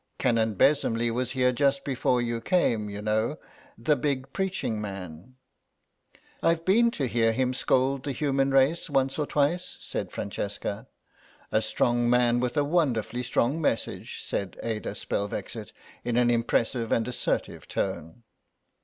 Canon Besomley was here just before you came; you know, the big preaching man." "I've been to hear him scold the human race once or twice," said Francesca. "A strong man with a wonderfully strong message," said Ada Spelvexit, in an impressive and assertive tone.